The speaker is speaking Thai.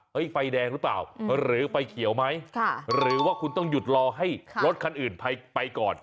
ไฟแดงหรือเปล่าหรือไฟเขียวไหมหรือว่าคุณต้องหยุดรอให้รถคันอื่นไปก่อน